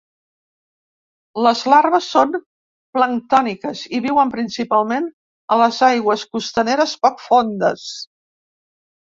Les larves són planctòniques i viuen principalment a les aigües costaneres poc fondes.